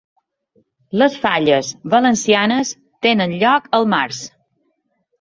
Les falles valencianes tenen lloc al març